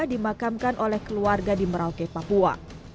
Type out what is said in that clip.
dimakamkan oleh keluarga di merauke papua